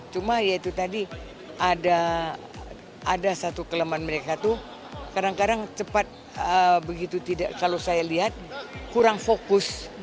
cuma ya itu tadi ada satu kelemahan mereka itu kadang kadang cepat begitu tidak kalau saya lihat kurang fokus